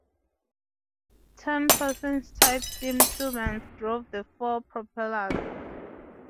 Ten Parsons-type steam turbines drove the four propellers.